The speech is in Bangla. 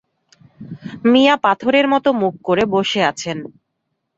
মিয়া পাথরের মতো মুখ করে বসে আছেন।